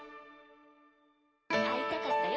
会いたかったよ